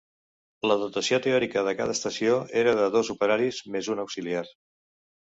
La dotació teòrica de cada estació era de dos operaris, més un auxiliar.